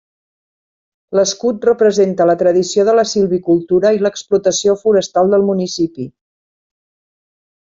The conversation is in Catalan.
L'escut representa la tradició de la silvicultura i l'explotació forestal del municipi.